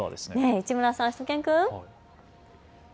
市村さん、しゅと犬くん。